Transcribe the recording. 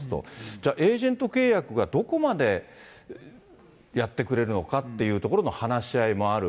じゃあ、エージェント契約がどこまでやってくれるのかっていうところの話し合いもある。